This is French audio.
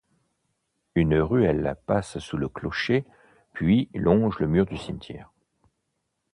Une ruelle passe sous le clocher, puis longe le mur du cimetière.